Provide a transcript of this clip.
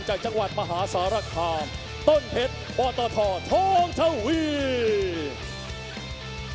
จากจังหวัดมหาสารคามต้นเพชย์บอร์ตธวร์ท้องทะวีฮ